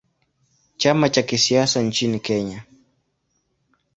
Chama cha kisiasa nchini Kenya.